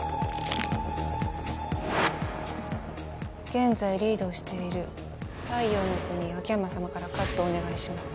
現在リードをしている太陽ノ国秋山さまからカットをお願いします。